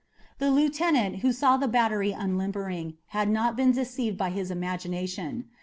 The lieutenant, who saw the battery unlimbering, had not been deceived by his imagination.